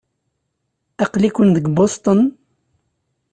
Aql-iken di Boston?